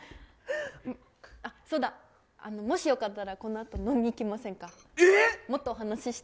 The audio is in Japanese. そうだ、もしよかったらこのあと飲みに行きません？